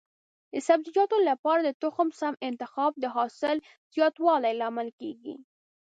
د سبزیجاتو لپاره د تخم سم انتخاب د حاصل زیاتوالي لامل کېږي.